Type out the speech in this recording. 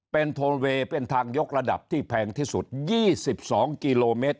เป็นโทเวย์เป็นทางยกระดับที่แพงที่สุด๒๒กิโลเมตร